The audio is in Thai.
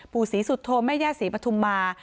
ปู่ศรีสุทธโทและแม่ย่าศรีบทุมมา